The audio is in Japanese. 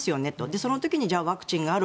その時にワクチンがある。